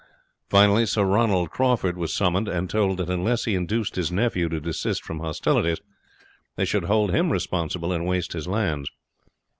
Finally, Sir Ronald Crawford was summoned and told that unless he induced his nephew to desist from hostilities they should hold him responsible and waste his lands.